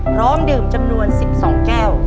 พร้อมดื่มจำนวน๑๒แก้ว